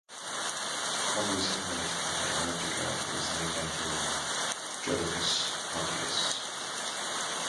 Hondius Inlet in Antarctica is named after Jodocus Hondius.